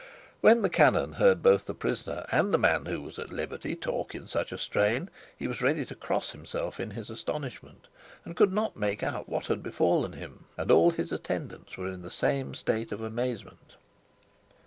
When the canon heard both the prisoner and the man who was at liberty talk in such a strain he was ready to cross himself in his astonishment, and could not make out what had befallen him; and all his attendants were in the same state of amazement.